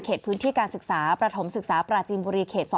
พื้นที่การศึกษาประถมศึกษาปราจีนบุรีเขต๒